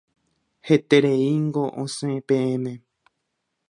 Hetereíngo osẽ peẽme.